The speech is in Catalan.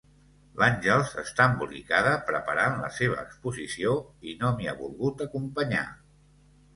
L'Àngels està embolicada preparant la seva exposició i no m'hi ha volgut acompanyar.